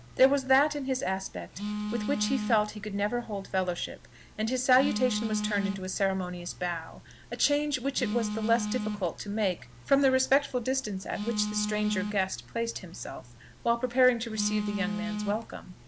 There was that in his aspect with which he felt that he could never hold fellowship, and his salutation was turned into a ceremonious bow; a change which it was the less difficult to make, from the respectful distance at which the stranger guest placed himself, while preparing to receive the young man's welcome.